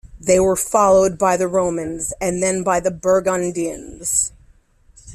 They were followed by the Romans and then by the Burgundians.